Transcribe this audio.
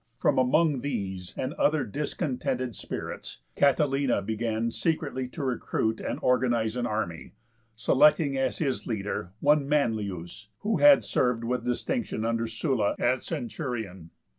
From among these and other discontented spirits, Catilina began secretly to recruit and organize an army, selecting as his leader one Manlius, who had served with distinction under Sulla as centurion.